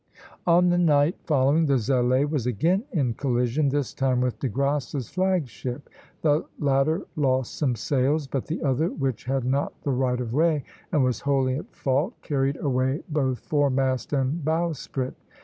On the night following, the "Zélé" was again in collision, this time with De Grasse's flag ship; the latter lost some sails, but the other, which had not the right of way and was wholly at fault, carried away both foremast and bowsprit.